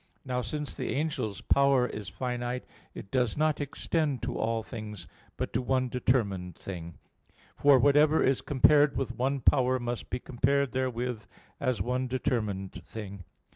Now since the angel's power is finite, it does not extend to all things, but to one determined thing. For whatever is compared with one power must be compared therewith as one determined thing.